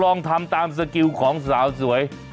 ลองทำตามสกิลของสาวสวย